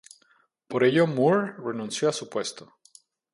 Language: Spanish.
Por ello Moore renunció a su puesto.